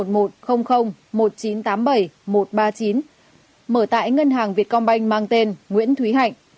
mở tại ngân hàng việt công banh mang tên nguyễn thúy hạnh